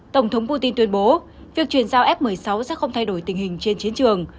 tổng thống putin tuyên bố việc chuyển giao f một mươi sáu sẽ không thay đổi tình hình trên chiến trường